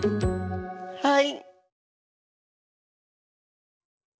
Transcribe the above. はい！